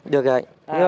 được rồi anh